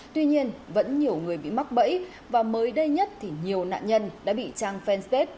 tuy nhiên vẫn nhiều người bị mắc bẫy và mới đây nhất thì nhiều nạn nhân đã bị trang fanpage